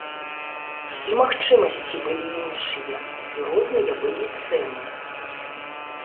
І магчымасці былі іншыя, і розныя былі цэны.